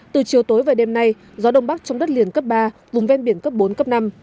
từ chiều tối và đêm nay gió đông bắc trong đất liền cấp ba vùng ven biển cấp bốn cấp năm